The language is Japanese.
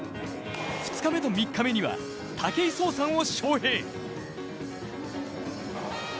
２日目と３日目には武井壮さんを招へい。